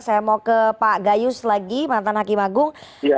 saya mau ke pak gayus lagi mantan hakim agung